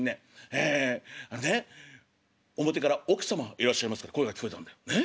ええあのね表から『奥様はいらっしゃいますか？』って声が聞こえたんだよね？